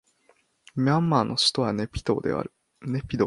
ミャンマーの首都はネピドーである